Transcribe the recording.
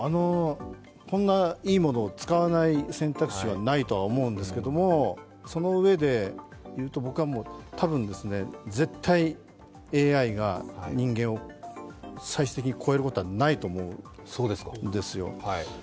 こんないいものを使わない選択肢はないと思うんですけれども、そのうえでいうと、僕は絶対ＡＩが人間を最終的に超えることはないと思うんですよ。